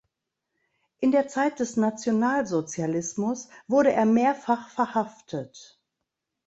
In der Zeit des Nationalsozialismus wurde er mehrfach verhaftet.